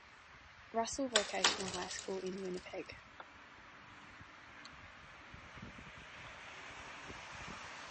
Russell Vocational High School in Winnipeg.